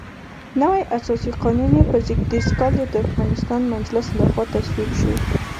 نوی اساسي قانون یې په زېږدیز کال د ترکمنستان مجلس لخوا تصویب شو.